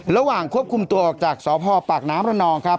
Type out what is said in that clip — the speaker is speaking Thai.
ระหว่างควบคุมตัวออกจากสพปากน้ำระนองครับ